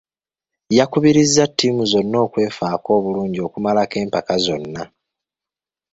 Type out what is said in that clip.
yakubirizza ttiimu zonna okwefaako obulungi okumalako empaka zonna.